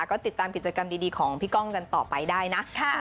ก็ติดตามกิจกรรมดีของพี่ก้องกันต่อไปได้นะ